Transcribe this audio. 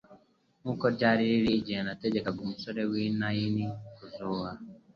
nk'uko ryari riri igihe yategekaga umusore w'i Naini kuzuha.